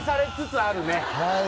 はい。